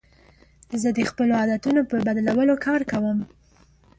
زه د خپلو عادتونو په بدلولو کار کوم.